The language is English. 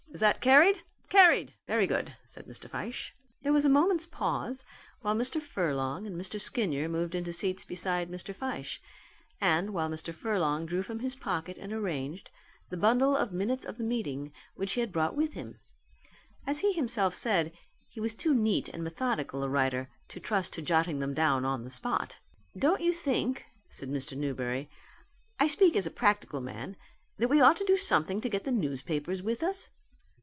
Is that carried? Carried! Very good," said Mr. Fyshe. There was a moment's pause while Mr. Furlong and Mr. Skinyer moved into seats beside Mr. Fyshe and while Mr. Furlong drew from his pocket and arranged the bundle of minutes of the meeting which he had brought with him. As he himself said he was too neat and methodical a writer to trust to jotting them down on the spot. "Don't you think," said Mr. Newberry, "I speak as a practical man, that we ought to do something to get the newspapers with us?"